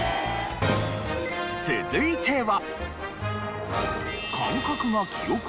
続いては。